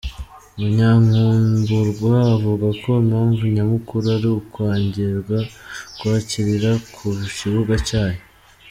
Munyankumburwa avuga ko impamvu nyamukuru ari ukwangirwa kwakirira ku kibuga cyayo.